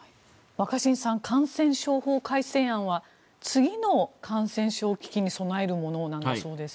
若新さん感染症法改正案は次の感染症危機に備えるものなんだそうです。